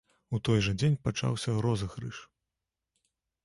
У той жа дзень пачаўся розыгрыш.